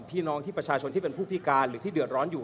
พี่น้องที่ประชาชนที่เป็นผู้พิการหรือที่เดือดร้อนอยู่